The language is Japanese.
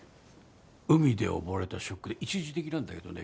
海で溺れたショックで一時的なんだけどね